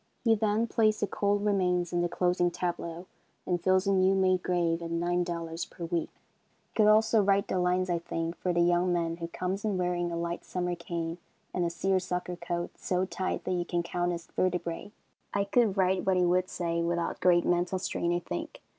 He then plays the cold remains in the closing tableau, and fills a new made grave at $9 per week. I could also write the lines, I think, for the young man who comes in wearing a light summer cane and a seersucker coat so tight that you can count his vertebrae. I could write what he would say without great mental strain, I think.